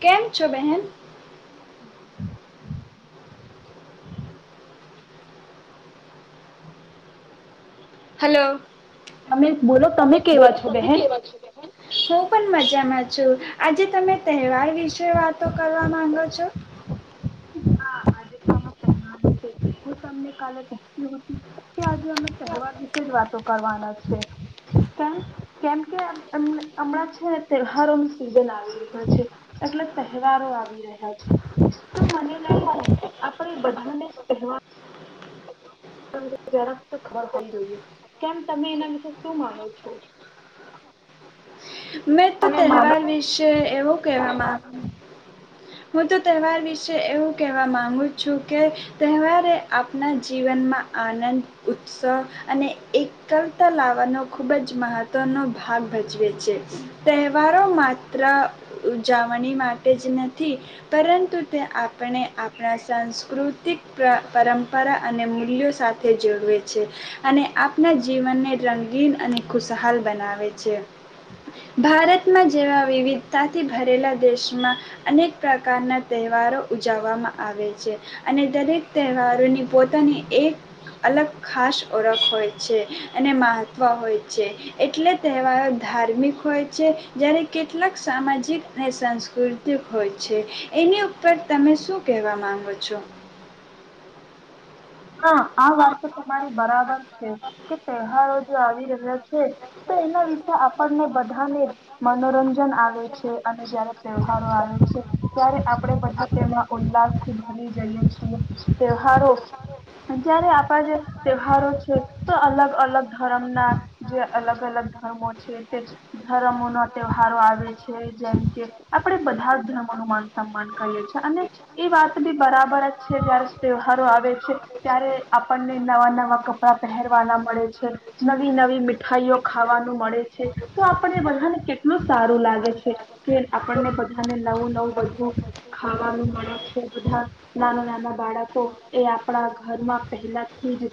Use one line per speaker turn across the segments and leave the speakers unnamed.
કેમ છો બહેન. હલો.
તમે બોલો તમે કેવા છો બહેન?
હું પણ મજામાં છું. આજે તમે તહેવાર વિશે વાતો કરવા માંગો છો.
કે આજે અમે તહેવાર વિશે જ વાતો કરવાના છે. કેમ કેમ કે હમણાં છે તહેવારો ન સિજન આવી રહ્યું છે. એટલે તહેવારો આવી રહ્યા છે. તો મને લાગે આપણે બધાને તહેવાર જરા ખબર હોવી જોઈએ. કેમ તમે એના વિશે શું માનો છો?
મેં તો તહેવાર વિશે એવું કહેવામાં [unintelligible] હું તો તહેવાર વિશે એવું કહેવા માંગુ છું, કે તહેવારે આપના જીવનમાં આનંદ, ઉત્સવ અને એકલતા લાવવાનો ખુબ જ મહત્વનો ભાગ ભજવે છે. તહેવારો માત્ર ઉજવણી માટે જ નથી, પરંતુ તે આપણે આપણા સાંસ્કૃતિક પ પરંપરા અને મૂલ્યો સાથે જોડવે છે. અને આપણા જીવનને રંગીન અને ખુશહાલ બનાવે છે. ભારતમાં જેવા વિવિધતાથી ભરેલા દેશમાં અનેક પ્રકારના તહેવારો ઉજવવામાં આવે છે. અને દરેક તહેવારોની પોતાની એક અલગ ખાસ ઓળખ હોય છે, અને મહત્વ હોય છે. એટલે તહેવારો ધાર્મિક હોય છે, જ્યારે કેટલાક સામાજિક અને સાંસ્કૃતિક હોય છે. એની ઉપર તમે શું કહેવા માંગો છો?
હા, આ વાત તો તમારી બરાબર છે, કે તહેવારો જો આવી રહ્યા છે તો એના વિશે આપણને બધાને મનોરંજન આવે છે, અને જય્યારે તહેવારો આવે છે ત્યારે આપણે બધા તેમાં ઉલ્લાસથી ભરી જઈએ છીએ. તહેવારો જયારે આપણા જે તહેવારો છે, તો અલગ અલગ ધર્મના જે અલગ અલગ ધર્મો છે તે, ધર્મોના તહેવારો આવે છે. જેમ કે આપણે બધા જ ધર્મોનું માન સન્માન કરીએ છે, અને એ વાત બી બરાબર જ છે. જયારે ત્યોહારો આવે. ત્યારે આપણને નવા નવા કપડા પહેરવાના મળે છે, નવી નવી મીઠાઈઓ ખાવાનું મળે છે, તો આપને બધાને કે એટલું સારું લાગે છે, કે આપણને બધાને નવું નવું બધું ખાવાનું મળે છે. બધા નાના નાના બાળકો એ એ આપણા ઘરમાં પહેલાથી જ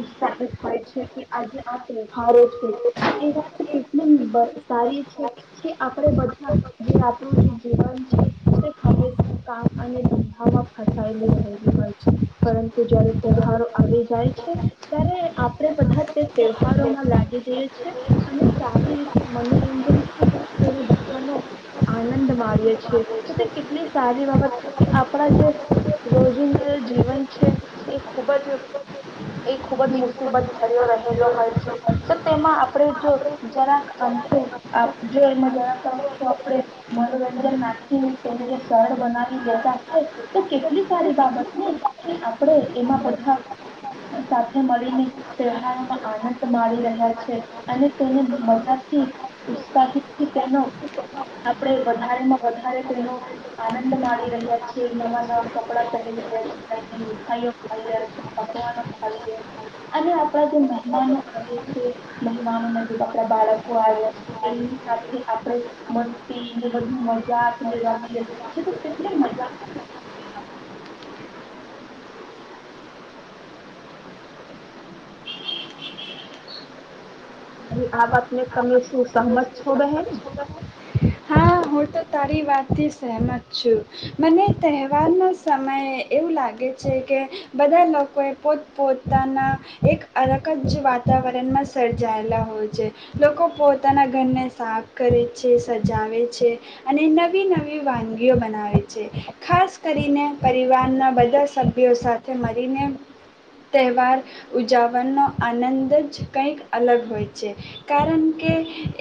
ઉત્સાહિત હોય છે, કે આજે આ ત્યોહારો છે. તો એ વાત કેટલી બ સારી છે, કે આપણે બધા જે આપણું જે જીવન છે, તે હંમેશા કામ અને ધંધામાં ફસાયેલું રહેલું હોય છે. પરંતુ જ્યારે તહેવારો આવી જાય છે, ત્યારે આપણે બધા તે તહેવારોમાં લાગી જઈએ છે. અને સારી રીતે મનોરંજનથી તેનો બધાનો આનંદ માણીએ છે. તો તે કેટલી સારી બાબત કે આપણા જે રોજિંદા જીવન છે, એ ખૂબ જ એ ખુબ જ મુસીબત ભર્યો રહેલો હોય છે. તો તેમાં આપણે જો જરાક અંથો જો એમાં જરાક અંથો આપણે મનોરંજન નાખીને તેને સરળ બનાવી લેતા હોય, તો કેટલી સારી બાબત ને. આપણે એમાં બધા સાથે મળીને તહેવારમાં આનંદ માણી રહ્યા છે, અને તેને મજાથી ઉત્સાહિતથી તેનો આપણે વધારેમાં વધારે તેનો આનંદ માણી રહ્યા છે. નવા નવા કપડા પહેરી રહ્યા છે મીઠાઈઓ ખાઈ રહ્યા છે, પકવાનો ખાઈ રહ્યા છે. અને આપડા જે મહેમાનો આવે છે, મહેમાનોના જે આપડા બાળકો આવે છે તેમની સાથે આપડે મસ્તીને બ મજા આપને રમી રહ્યા છે કેટલી મજા. [unintelligible] મારી આ વાત મે તમે શું સહમત છો બહેન?
હું તો તારી વાતથી સહેમત છું. મને તહેવારનો સમય એવું લાગે છે કે બધા લોકોએ પોત પોતાના એક અલગ જ વાતાવરણમાં સર્જાયેલા હોય છે. લોકો પોતાના ઘરને સાફ કરે છે, સજાવે છે. અને નવી-નવી વાનગીઓ બનાવે છે. ખાસ કરીને પરિવારના બધા સભ્યો સાથે મળીને તહેવાર ઉજાવવાનો આનંદ જ કંઈક અલગ હોય છે, કારણ કે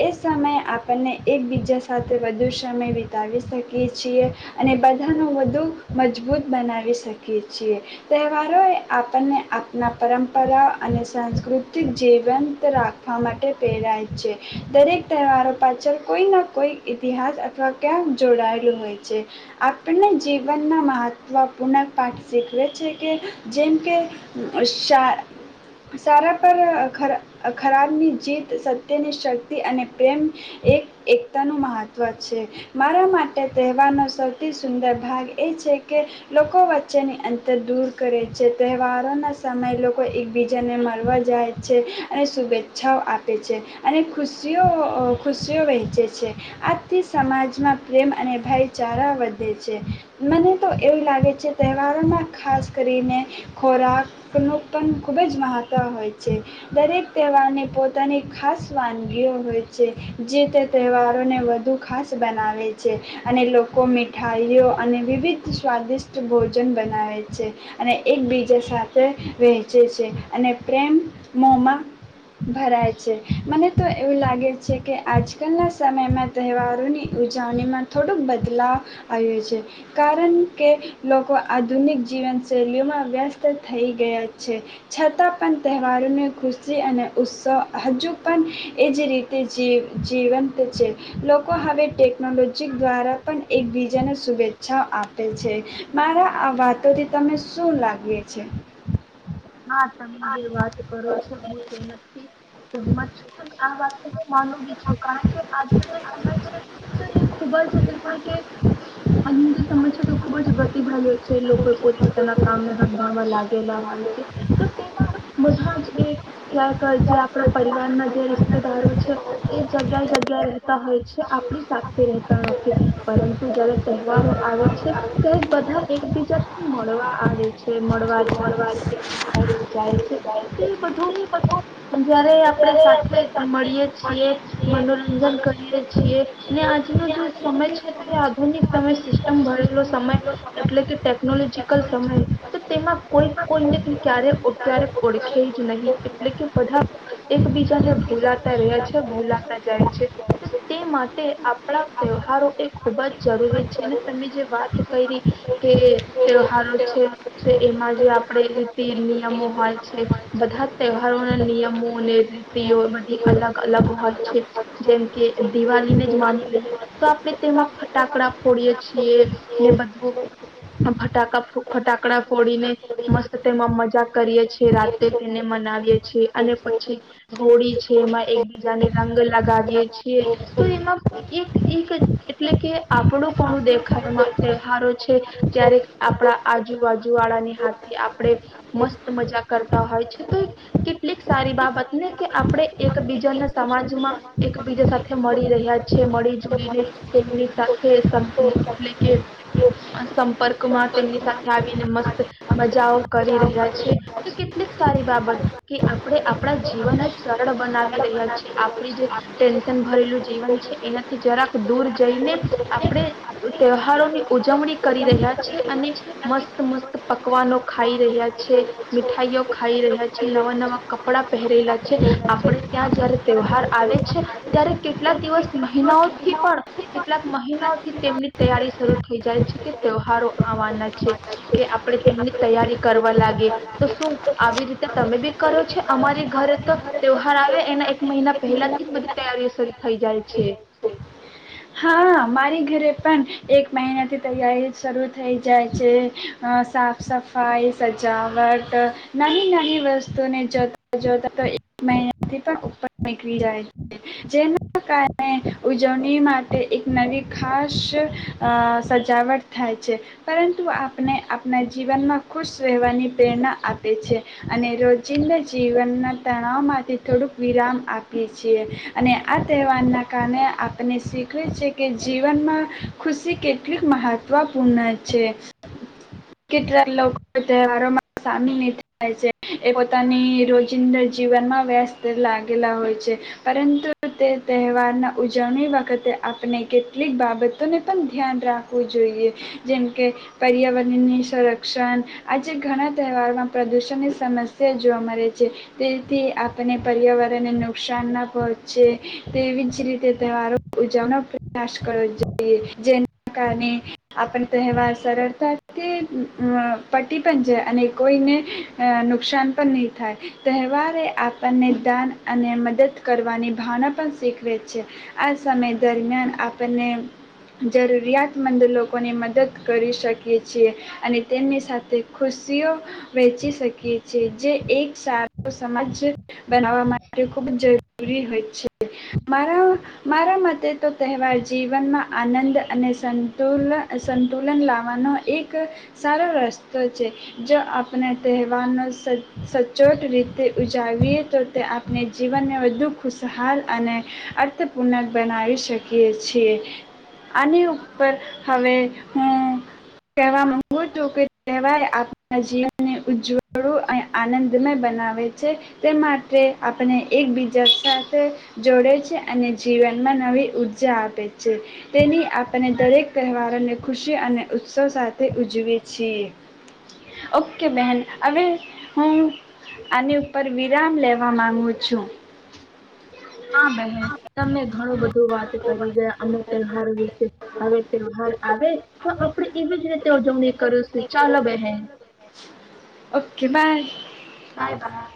એ સમયે આપણને એકબીજા સાથે વધુ સ મય વિતાવી શકીએ છીએ અને બધાનું વધુ મજબૂત બનાવી શકીએ છીએ. તહેવારો એ આપણને આપણા પરંપરાઓ અને સાંસ્કૃતિક જીવંત રાખવા માટે પ્રેરાય છે. દરેક તહેવારો પાછળ કોઈ ના કોઈ ઇતિહાસ તો ક્યાંક જોડાયેલું હોય છે. આપણને જીવનના મહત્વપૂર્ણ પાઠ શીખવે છે કે જેમ કે શા સારા પર ખર અહ ખરાબની જીત સત્યની શક્તિ અને પ્રેમ એક એકતાનું મહત્વ છે. મારા માટે તહેવારનો સૌથી સુંદર ભાગ એ છે કે લોકો વચ્ચેની અંતર દૂર કરે છે. તહેવારોના સમયે લોકો એકબીજાને મળવા જાય છે, અને શુભેચ્છાઓ આપે છે, અને ખુશીઓ ખુશીઓ વહેંચે છે. આ થી સમાજમાં પ્રેમ અને ભાઈચારા વધે છે. મને તો એવું લાગે છે તહેવારોમાં ખાસ કરીને ખોરાકનું પણ ખૂબ જ મહત્ત્વ હોય છે. દરેક તહેવારની પોતાની ખાસ વાનગીઓ હોય છે. જે તે તહેવારોને વધુ ખાસ બનાવે છે, અને લોકો મીઠાઈઓ અને વિવિધ સ્વાદિષ્ટ ભોજન બનાવે છે, અને એકબીજા સાથે વહેંચે છે, અને પ્રેમ મોમાં ભરાય છે. મને તો એવું લાગે છે કે આજકાલના સમયમાં તહેવાર ની ઉજવણીમાં થોડુંક બદલાવ આવ્યો છે, કારણ કે લોકો આધુનિક જીવનશૈલીઓમાં વ્યસ્ત થઈ ગયા છે, છતાં પણ તહેવારોની ખુશી અને ઉત્સવ હજુ પણ એ જ રીતે જી જીવંત છે. લોક કો હવે ટેકનોલોજી દ્વારા પણ એકબીજાને શુભેચ્છાઓ આપે છે. મારા આ વાતોથી તને શું લાગે છે?
હા તમે જે વાત કરો છો હું તો નથી [unintelligible] આ વાત માનું બી છું કારણ કે આજનો જે સમય છે તો એ ખુબ જ એટલે કે [unintelligible] નો જે સમય છે તો ખુબ જ ગતિ ભાગ્યો છે, લોકોએ પોતપોતાના કામને ધંધામાં લાગેલા હોય. જે તો તેમાં બધા જ એ ક્યાંક જે આપણા પરિવારના જે રિસ [unintelligible] છે એ જગ્યાએ જગ્યા રહેતા હોય છે. આપણી સાથે રહેતા નથી, પરંતુ જયારે તહેવારો આવે છે ત્યારે બધા એકબીજાથી મળવા આવે છે. ને મળવા જાય જાય છે તો એ બધું જયારે આપણે સાથે મળીએ છીએ મનોરંજન કરીએ છીએ ને આજનો જે સમય છે તો એ આધુનિક સમય સિસ્ટમ ભરેલો સમય એટલે કે ટેકનોલોજીકલ સમય તો તેમાં કોઈ કોઈને ક્યારે ક્યારે ઓળખે જ નહીં એટલે કે બધા એકબીજાને ભૂલાતા રહે છે ભૂલાતા જાય છે તે માટે આપણા તહેવાારો એ ખૂબ જ જરૂરી છે અને તમે જે વાત કરી કે તહેવાારો છે તો એમાં જે આપ આપણે રીતી નિયમો હોય છે બધા તહેવારોના નિયમો અને રીતિઓ બધી અલગ-અલગ હોય છે જેમ કે દિવાળીને જ માની લઈએ તો આપણે તેમાં ફટાકડા ફોડીય છીએ ને બધું ફટા ફટાકડા ફોડીને મસ્ત એમાં મજા કરીએ છીએ રાતે તેને મનાવીએ છીએ એ અને પછી હોળી છે એમાં એકબીજાને રંગ લગાવીએ છીએ તો એમાં એક એક એટલે કે આપણું પણ દેખા તહેવારો છે ત્યારે આપણા આજુબાજુ વાળાની હાથ આપણે મસ્ત મજા કરતા હોય છે તો કેટલીક સારી બાબત ને કે આપણે એકબીજાના સમાજમાં એકબીજા સાથે મળી રહ્યા છે મળી જોઈને તેમની સાથે એટલે કે સંપર્કમાં તેમની સાથે આવીને મસ્ત મજાઓ કરી રહ્યા છે તો કેટલીક સારી બાબત કે આપણે આપણા જીવનને સરળ બનાવી રહ્યા છે આપણી જે ટેન્શન ભરેલું જીવન છે એનાથી જરાક દૂર જઈને આપણે તહેવારોની ઉજવણી કરી રહ્યા છે અને મસ્ત મસ્ત પકવાનો ખાઈ રહ્યા છે મીઠાઈઓ ખાઈ રહ્યા છે નવા નવા કપડાં પહેરેલા છે આપણે ત્યાં જયારે તહેવાર આવે છે ત્યારે કેટલાક દિવસ મહિનાઓથી પણ કેટલાક મહિનાઓથી તેમની તૈયારી શરૂ થઈ જાય છે કે તહેવારો આવવાના છે કે. આપણે તેમની તૈયારી કરવા લાગી તો શું આવી રીતે તમે બી કરો છે અમારી ઘરે તો તહેવાાર આવે એના એક મહિના પહેલા થી જ બધી તૈયારીઓ શરૂ થઈ જાય છે.
હા મારી ઘરે પણ એક મહિના થી તૈયારી શરૂ. થઈ જાય છે. સાફ સફાઈ સજાવટ નયી નયી વસ્તુને જોતા. જો તો એક મહ. આનાથી પણ ઉપર નીકળી જાય છે. જેના કારણે ઉજવની મા માટે એક નવી ખાસ સજાવટ થાય છે પરંતુ આપને આપણા જીવનમાં ખુશ રહેવાની પ્રેરણા આપે છે. અને રોજિંદ. જીવનના તણાવમાંથી થોડુંક વિરામ આપીએ છીએ અને આ તહેવારના કારણે આપણે શીખ. છે કે જીવનમાં ખુશી કેટલી મહત્વપૂર્ણ છે કેટલાક લોકો તહેવારોમાં સામેલાય છે એ પોતાની રોજિંદા જીવનમાં વ્યસ્ત લાગેલા હોય છે પરંતુ તે તહેવારના ઉજવણી વખતે. આપણે કેટલીક બાબતોને પણ ધ્યાન રાખવું જોઈએ જેમ કે પર્યાવરણની સંરક્ષણ આજે ઘણા તહેવારોમાં પ્રદૂષણની સમસ્યા જોવા મળે છે તેથી આપણે પર્યાવરણને નુકસાન ન પહોંચે તેવી જ રીતે તહેવારો. [inaudible] પ્રયાસ કરવો જોઈએ જેના કારણે આપણ તહેવાર સરળતાથી પટી પણ જાય અને કોઈને નુકસાન પણ નહીં થાય તહેવારે આપણને દાન અને મદદ કરવાની ભાવના પણ શીખવે છે આ સમયે. દરમિયાન આપણને જરૂરિયાતમંદ લોકોની મદદ કરી શકીએ છીએ અને તેમની સાથે ખુશીઓ વહેચી શકીએ છીએ જે એક સારો સમાજ. બનાવવા માટે ખુબ જ જો. રી હોય છે મારા મારા મતે. તો તહેવાર જીવનમાં આનંદ અને સંતુલન સંતુલન લાવવાનો એક સારો રસ્તો છે જો આપણે તહેવારનો સ સચોટ રીતે ઉજાવીએ તો તે આપણે જીવનને વધુ ખુશહાલ અને અર્થપૂર્ણક બનાવી શકીએ છીએ આની ઉપર હવે હું કહેવા માગુ છું કે કહેવાય આપણા જીવનને ઉજ્જવળું અને આનંદમય બનાવે છે તે માટે આપણે એકબીજા સાથે જોડે છે અને જીવનમાં નવી. [unintelligible] ઉર્જા આપે છે તેની આપને દરેક તહેવારોને ખુશી અને ઉત્સવ સાથે ઉજવી છીએ ઓકે બેન હવે હું આની ઉપર વિરામ લેવા માંગુ છું.
હા બહેન તમે. ઘ બધ. [inaudible] વધ વાત કરી ગયા અમે તહેવાર વિશે હવે તહેવાર આવે તો આપણેે એવી જ રીતે ઉજવણી કરી છેું ચાલો બહેન.
ઓ કે બાર.
Bye by